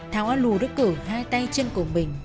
thảo hoan lũ đã cử hai tay chân của mình